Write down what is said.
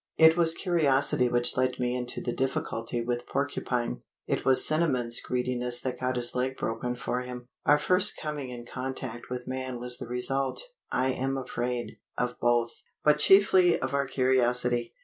It was curiosity which led me into the difficulty with Porcupine. It was Cinnamon's greediness that got his leg broken for him. Our first coming in contact with man was the result, I am afraid, of both but chiefly of our curiosity.